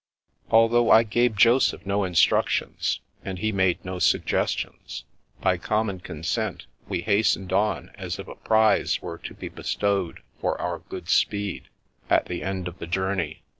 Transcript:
Although I gave Joseph no instructions, and he made no suggestions, by common consent we has tened on as if a prize were to be bestowed for our good speed, at the end of the journey.